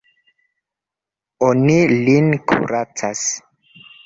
Oni lin kuracas.